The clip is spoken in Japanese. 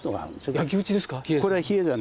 焼き打ちですか？